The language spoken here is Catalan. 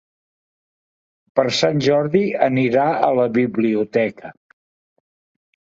Per Sant Jordi anirà a la biblioteca.